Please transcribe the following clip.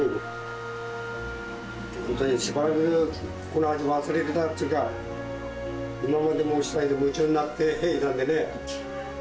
本当にしばらく、この味忘れてたっていうか、今まで被災で夢中になっていたんでね。